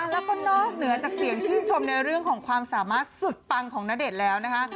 แล้วก็นอกเหนือจากเสียงชื่นชมในเรื่องของความสามารถสุดปังของณเดชน์แล้วนะคะ